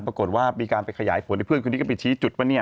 ปรากฏว่ามีการไปขยายผลให้เพื่อนคนนี้ก็ไปชี้จุดป่ะเนี่ย